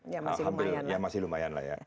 hampir ya masih lumayan lah ya